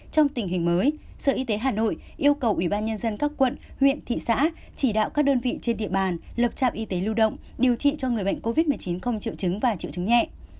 trong tình hình mới sở y tế hà nội yêu cầu ủy ban nhân dân các quận huyện thị xã chỉ đạo các đơn vị trên địa bàn lập trạm y tế lưu động điều trị cho người bệnh covid một mươi chín không triệu chứng và triệu chứng nhẹ